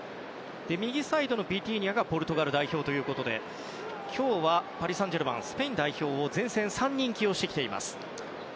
右サイドのビティーニャがポルトガル代表ということで今日はパリ・サンジェルマンスペイン代表を前線３人、起用してきています。